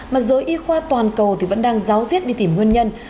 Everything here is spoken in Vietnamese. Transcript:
mà giới y khoa toàn cầu thì vẫn đang giáo diết đi tìm nguyên nhân